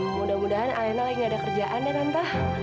mudah mudahan alena lagi nggak ada kerjaan ya tante